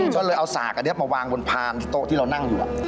ก็เลยเอาสากอันนี้มาวางบนพานโต๊ะที่เรานั่งอยู่